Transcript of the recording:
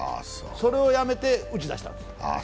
それをやめて打ち出したんです。